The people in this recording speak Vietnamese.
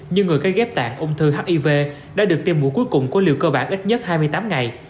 nhưng người gây ghép tạng ung thư hiv đã được tiêm mũi cuối cùng của liều cơ bản ít nhất hai mươi tám ngày